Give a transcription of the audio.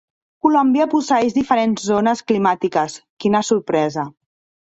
Colòmbia posseeix diferents zones climàtiques, quina sorpresa.